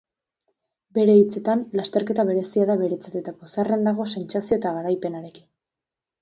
Bere hitzetan, lasterketa berezia da beretzat eta pozarren dago sentsazio eta garaipenarekin.